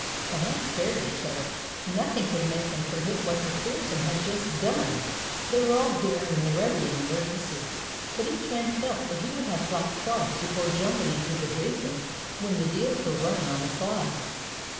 The hands stared at each other. Nothing could make them forget what MacPherson had just done. They were all daring and ready in emergency, but each man felt that he would have thought twice before jumping into the basin when the deals were running on the slides.